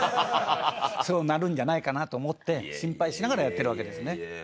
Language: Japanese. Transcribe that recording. そうなるんじゃないかなと思って心配しながらやってるわけですね。